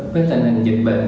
với tình hình dịch bệnh